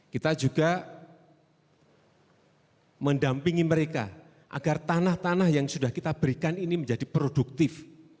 kita juga mendampingi mereka agar tanah tanah yang sudah kita berikan ini menjadi produktif